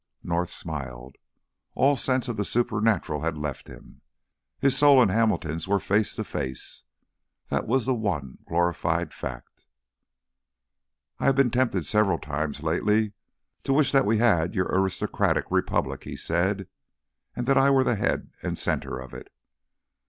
North smiled. All sense of the supernatural had left him. His soul and Hamilton's were face to face; that was the one glorified fact. "I have been tempted several times lately to wish that we had your aristocratic republic," he said, "and that I were the head and centre of it.